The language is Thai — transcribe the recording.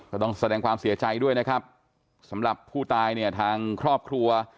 แสดงความเสียใจด้วยนะครับสำหรับผู้ตายเนี่ยทางครอบครัว